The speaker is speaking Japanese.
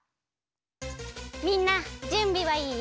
みんなじゅんびはいい？